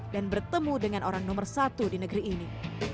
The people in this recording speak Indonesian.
dan bertemu dengan orang nomor satu di negeri ini